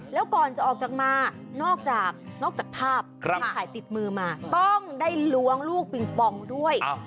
แล้วก่อนจะออกจากมานอกจากนอกจากภาพที่ถ่ายติดมือมาต้องได้ล้วงลูกปิงปองด้วย